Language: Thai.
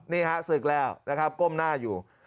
นี่ฮะศึกแล้วนะครับก้มหน้าอยู่